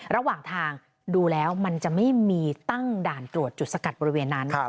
ระหว่างทางดูแล้วมันจะไม่มีตั้งด่านตรวจจุดสกัดบริเวณนั้น